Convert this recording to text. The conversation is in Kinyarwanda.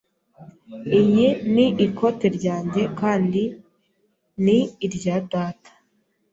Iyi ni ikote ryanjye, kandi ni irya data.